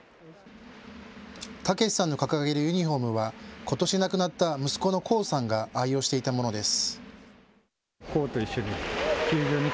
毅さんの掲げるユニフォームはことし亡くなった息子の巧さんが愛用していたものです。